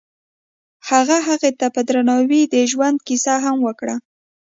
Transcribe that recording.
هغه هغې ته په درناوي د ژوند کیسه هم وکړه.